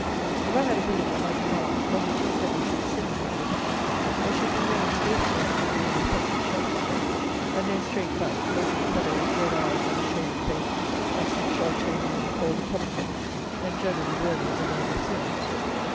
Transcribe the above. If I had a village at my command, not a tea kettle should sing in that village: there should be no extortioner under the name of country shop keeper, and no straight backed, bloated fellow, with red eyes, unshaven face, and slip shod till noon, called a publican, and generally worthy of the name of sinner.